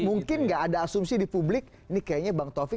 mungkin nggak ada asumsi di publik ini kayaknya bang taufik